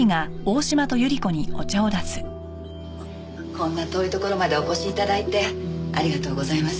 こんな遠いところまでお越し頂いてありがとうございます。